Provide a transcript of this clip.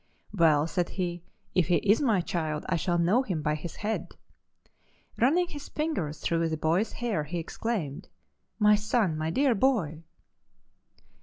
"'Well,' said he, 'if he is my child I shall know him by his head.' Running his fingers through the boy's hair he exclaimed: 'My son! my dear boy!